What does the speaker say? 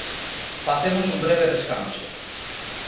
Facemos un breve descanso.